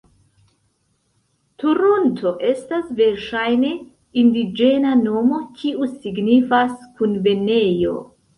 Toronto estas verŝajne indiĝena nomo kiu signifas "Kunvenejo".